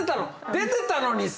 出てたのにさ。